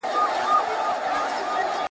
ړانده شاوخوا پر ګرځول لاسونه ..